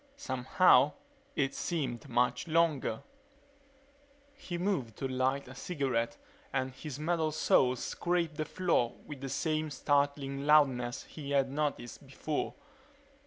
Somehow, it seemed much longer ... He moved to light a cigarette and his metal soles scraped the floor with the same startling loudness he had noticed before.